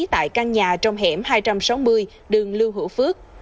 tại căn nhà trong hẻm hai trăm sáu mươi đường lưu hữu phước